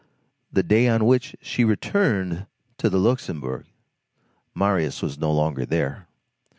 The day on which she returned to the Luxembourg, Marius was no longer there.